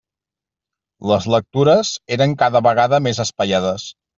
Les lectures eren cada vegada més espaiades.